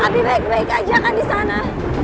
abi baik baik ajakkan disana